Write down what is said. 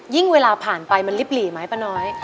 เวลาผ่านไปมันลิบหลีไหมป้าน้อย